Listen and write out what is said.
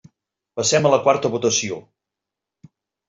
Passem a la quarta votació.